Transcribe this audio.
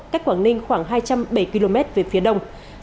cách quảng ninh khoảng hai trăm linh bảy km về phía đông đông